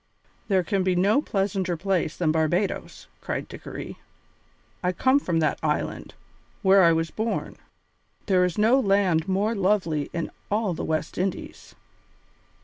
"There can be no pleasanter place than Barbadoes," cried Dickory. "I come from that island, where I was born; there is no land more lovely in all the West Indies."